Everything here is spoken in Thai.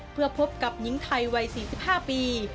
เพื่อพบกับหญิงไทยวัย๔๕ปี